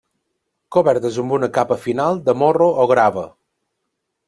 Cobertes amb una capa final de morro o grava.